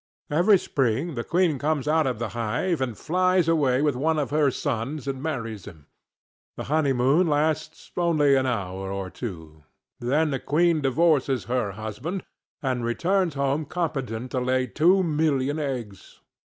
Every spring the queen comes out of the hive and flies away with one of her sons and marries him. The honeymoon lasts only an hour or two; then the queen divorces her husband and returns home competent to lay two million eggs.